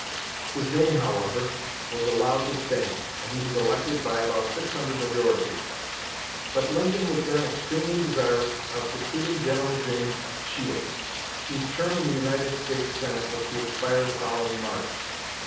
'" His name, however, was allowed to stand, and he was elected by about 600 majority. But Lincoln was then extremely desirous of succeeding General James Shields, whose term in the United States Senate was to expire the following March.